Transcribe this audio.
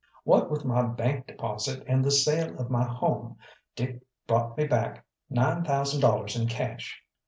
What with my bank deposit and the sale of my home, Dick brought me back nine thousand dollars in cash.